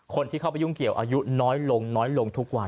คนที่เข้าไปยุ่งเกี่ยวอายุน้อยลงน้อยลงทุกวัน